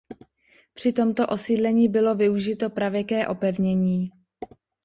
Při tomto osídlení bylo využito pravěké opevnění.